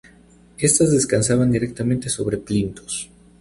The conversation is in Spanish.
Estas descansaban directamente sobre plintos.